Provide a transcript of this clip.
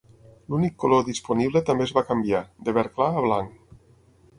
L'únic color disponible també es va canviar, de verd clar a blanc.